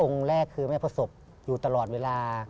องค์แรกคือแม่โภษบอยู่ตลอดเวลา